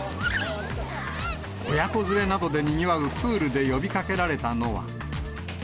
親子連れなどでにぎわうプールで呼びかけられたのは。